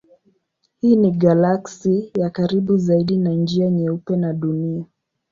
Hii ni galaksi ya karibu zaidi na Njia Nyeupe na Dunia.